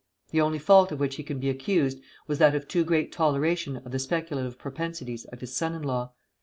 The only fault of which he can be accused was that of too great toleration of the speculative propensities of his son in law.